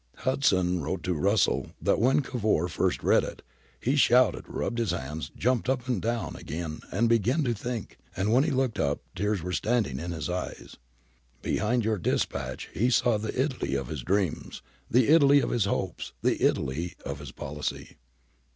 Hudson wrote to Russell that when Cavour first read it, 'he shouted, rubbed his hands, jumped up, sat down again, then began to think, and when he looked up tears were standing in his eyes. Behind your dispatch he saw the Italy of his dreams, the Italy of his hopes, the Italy of his policy.'